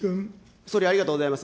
総理、ありがとうございます。